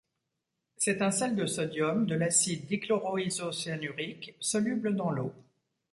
C'est un sel de sodium de l'acide dichloroisocyanurique, soluble dans l'eau.